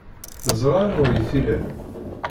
Teẓra anwa ay t-ilan.